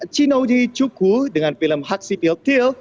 chinoji chukwu dengan film huxley bill till